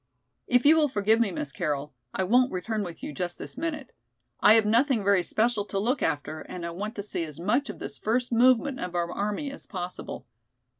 "If you will forgive me, Miss Carroll, I won't return with you just this minute. I have nothing very special to look after and I want to see as much of this first movement of our army as possible.